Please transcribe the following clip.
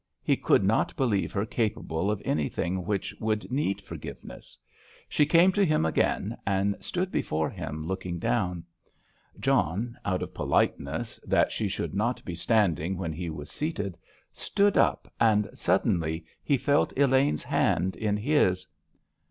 He could not believe her capable of anything which would need forgiveness. She came to him again and stood before him, looking down. John, out of politeness, that she should not be standing when he was seated, stood up, and suddenly he felt Elaine's hand in his.